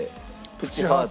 プチハート。